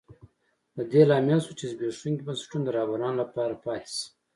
د دې لامل شوه چې زبېښونکي بنسټونه د رهبرانو لپاره پاتې شي.